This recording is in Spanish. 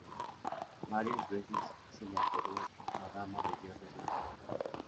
Varias veces se la apodó la "Dama de Hierro Celta".